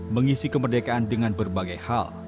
mengisi kemerdekaan dengan berbagai hal